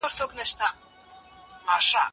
سره یو کیږي.